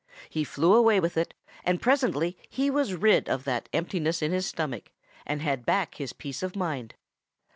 He flew away with it, and presently he was rid of that emptiness in his stomach and had back his peace of mind.